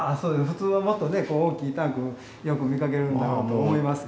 普通はもっとね大きいタンクよく見かけるんやろうと思いますけどね。